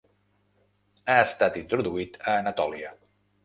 Ha estat introduït a Anatòlia.